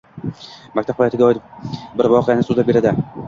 Maktab hayotiga oid bir voqeani so‘zlab beradi.